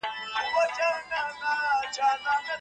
له ناپېژاندو کسانو ډوډۍ مه اخلئ.